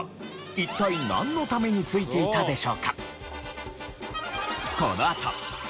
一体なんのためについていたでしょうか？